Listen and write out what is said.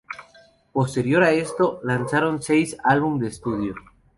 Posterior a esto, lanzaron seis álbum de estudio.